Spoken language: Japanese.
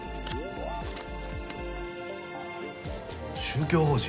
宗教法人？